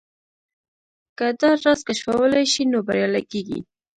که دا راز کشفولای شئ نو بريالي کېږئ.